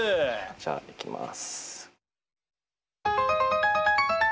じゃあいきます。